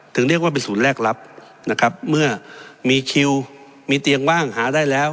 เรียกว่าเป็นศูนย์แรกรับนะครับเมื่อมีคิวมีเตียงว่างหาได้แล้ว